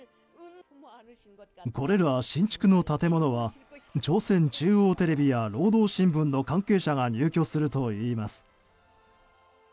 これら新築の建物は朝鮮中央テレビや労働新聞の関係者が入居するといいます。